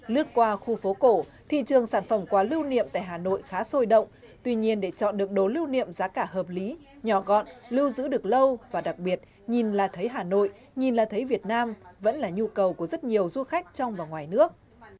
lướt qua khu phố cổ thị trường sản phẩm quà lưu niệm tại hà nội khá sôi động tuy nhiên để chọn được đồ lưu niệm giá cả hợp lý nhỏ gọn lưu giữ được lâu và đặc biệt nhìn là thấy hà nội nhìn là thấy việt nam vẫn là nhu cầu của rất nhiều du khách trong và ngoài nước